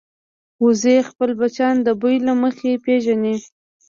وزې خپل بچیان د بوی له مخې پېژني